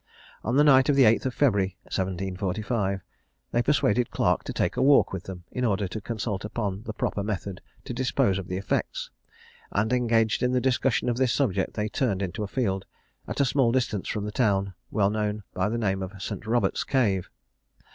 On the night of the 8th February 1745, they persuaded Clarke to take a walk with them, in order to consult upon the proper method to dispose of the effects; and, engaged in the discussion of this subject, they turned into a field, at a small distance from the town, well known by the name of St. Robert's Cave.